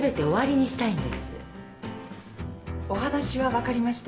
お話は分かりました。